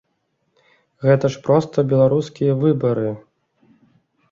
Гэта ж проста беларускія выбары!